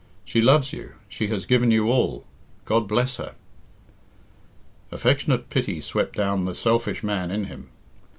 She loves you. She has given you all. God bless her!" Affectionate pity swept down the selfish man in him.